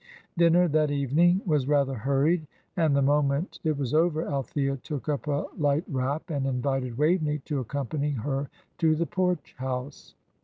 Dinner that evening was rather hurried, and the moment it was over Althea took up a light wrap and invited Waveney to accompany her to the Porch House.